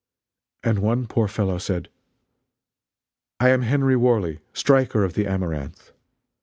And one poor fellow said: "I am Henry Worley, striker of the Amaranth!